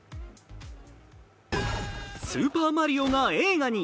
スーパーマリオが映画に。